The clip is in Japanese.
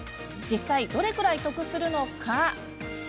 実際、どれくらい得するのか？